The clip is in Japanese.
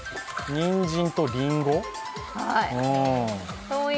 にんじんとりんご。